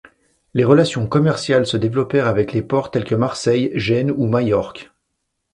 Les relations commerciales se développèrent avec les ports tels que Marseille, Gênes ou Majorque.